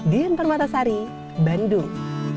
dian permatasari bandung